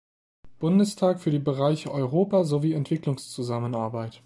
Bundestag für die Bereiche Europa sowie Entwicklungszusammenarbeit.